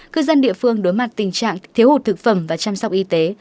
cư dân địa phương đối mặt tình trạng thiếu hụt thực phẩm và chăm sóc y tế